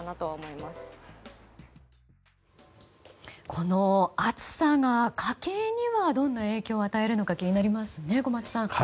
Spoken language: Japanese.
この暑さが家計にはどんな影響を与えるのか気になりますね、小松さん。